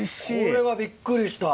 これはびっくりした。